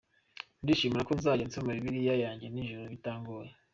Ndishimira ko nzajya nsoma Bibiliya yanjye nijoro bitangoye.